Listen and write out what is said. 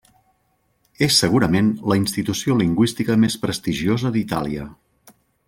És segurament la institució lingüística més prestigiosa d'Itàlia.